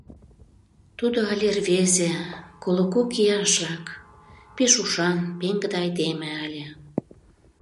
Тудо але рвезе, коло кок ияшрак, пеш ушан, пеҥгыде айдеме ыле.